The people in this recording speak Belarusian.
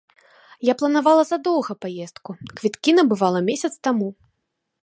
Я планавала задоўга паездку, квіткі набывала месяц таму.